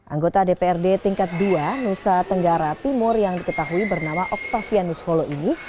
anggota dprd tingkat dua nusa tenggara timur yang diketahui bernama octavianus holo ini